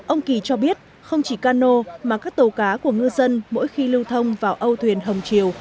ông kỳ cho biết không chỉ cano mà các tàu cá của ngư dân mỗi khi lưu thông vào âu thuyền hồng triều